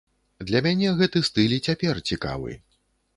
Для мяне гэты стыль і цяпер цікавы.